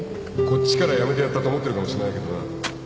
こっちから辞めてやったと思ってるかもしれないけどな